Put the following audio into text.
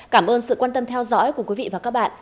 cảm ơn sự quan tâm theo dõi của quý vị và các bạn